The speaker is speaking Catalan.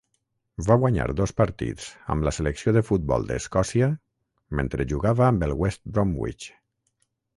Va guanyar dos partits amb la selecció de futbol d'Escòcia mentre jugava amb el West Bromwich.